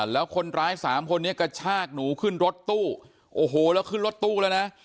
แล้วคนร้ายสามคนนี้กระชากหนูขึ้นรถตู้โอ้โหแล้วขึ้นรถตู้แล้วนะ